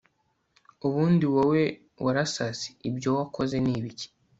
ubundi wowe warasaze ibyo wakoze nibiki